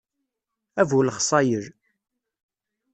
A bu lexṣayel.